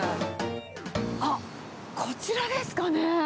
あっ、こちらですかね。